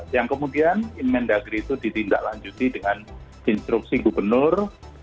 yang kemudian inmen dagri itu ditindaklanjuti dengan instruksi gubernur